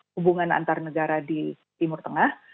hubungan antarnegara di timur tengah